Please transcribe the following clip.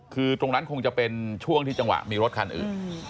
คือตรงนั้นคงจะเป็นช่วงที่จังหวะมีรถคันอื่น